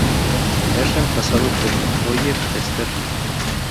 Es reemplazado por Roger Sterling.